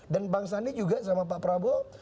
dan bang sandi juga sama pak prabowo